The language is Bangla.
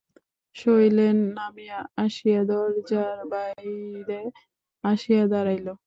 শৈলেন নামিয়া আসিয়া দরজার বাহিরে আসিয়া দাঁড়াইল।